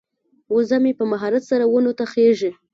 وزه مې په مهارت سره ونو ته خیژي.